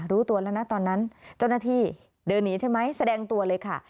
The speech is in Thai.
รู้ตัวแล้วนะตอนนั้นเจ้าหน้าที่เดินหนีใช่ไหมแสดงตัวเลยค่ะ